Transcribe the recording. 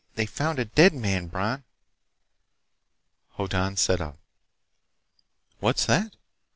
they found a dead man, Bron!" Hoddan sat up. "What's that?"